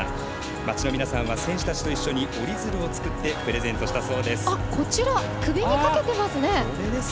町の皆さんは選手たちと一緒に折り鶴を作ってプレゼントしたそうです。